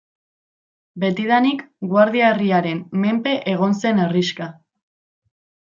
Betidanik Guardia herriaren menpe egon zen herrixka.